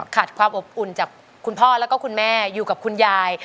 ความอบอุ่นจากคุณพ่อแล้วก็คุณแม่อยู่กับคุณยาย